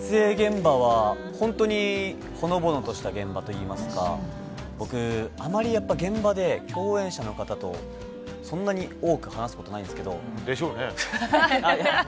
本当にほのぼのとした現場といいますか僕、あまり現場で共演者の方とそんなに多く話すことでしょうね。